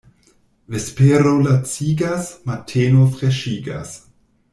Vespero lacigas, mateno freŝigas.